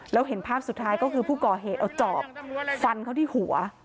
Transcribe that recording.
แล้วเห็นภาพสุดท้ายก็คือผู้ก่อเหตุเอาจอบฟันเขาที่หัว